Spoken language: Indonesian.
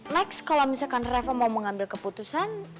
next kalau misalkan revo mau mengambil keputusan